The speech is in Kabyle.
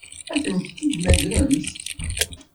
Ad tent-id-temmagremt?